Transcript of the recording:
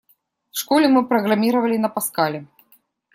В школе мы программировали на Паскале.